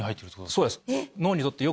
そうです。